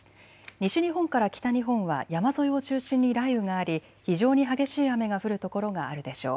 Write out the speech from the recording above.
西日本から北日本は山沿いを中心に雷雨があり非常に激しい雨が降る所があるでしょう。